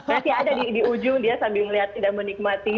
masih ada di ujung dia sambil melihat dan menikmati